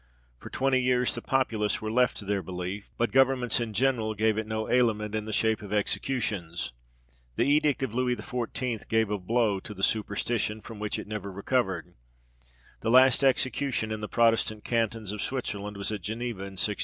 For twenty years the populace were left to their belief, but governments in general gave it no aliment in the shape of executions. The edict of Louis XIV. gave a blow to the superstition, from which it never recovered. The last execution in the Protestant cantons of Switzerland was at Geneva, in 1652.